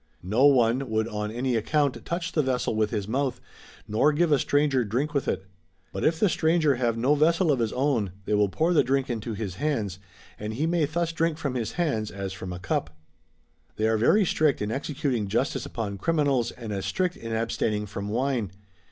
No one would on any account touch the vessel with his mouth, nor give a stranger drink with it. But if the stranger have no vessel of his own they will pour the drink into his hands and he may thus drink from his hands as from a cup.] They are very strict in executing justice upon criminals, and as strict in abstaining from wine.